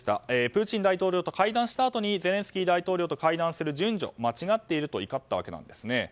プーチン大統領と会談したあとにゼレンスキー大統領と会談する順序間違っていると怒った訳です。